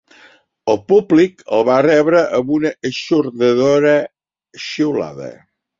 El públic el va rebre amb una eixordadora xiulada.